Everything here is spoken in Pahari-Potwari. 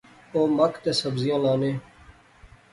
اوہ مک تے سبزیاں لانے